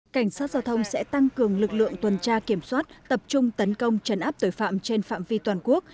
cảnh sát giao thông sẽ tăng cường lực lượng tuần tra kiểm soát tập trung tấn công chấn áp tội phạm trên phạm vi toàn quốc